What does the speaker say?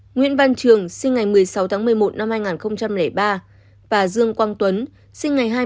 nguyễn văn trường sinh ngày một mươi sáu một mươi một hai nghìn ba và dương quang tuấn sinh ngày hai mươi sáu một nghìn chín trăm chín mươi sáu